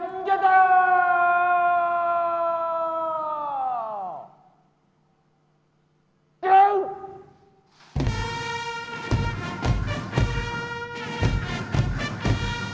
tanda kebesaran buka